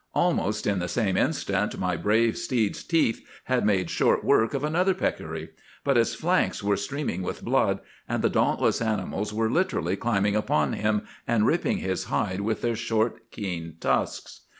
Almost in the same instant my brave steed's teeth had made short work of another peccary; but his flanks were streaming with blood, and the dauntless animals were literally climbing upon him and ripping his hide with their short, keen tusks.